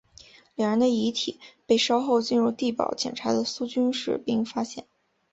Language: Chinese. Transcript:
两人的遗体被稍后进入地堡检查的苏军士兵发现。